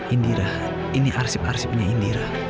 indirahat ini arsip arsipnya indira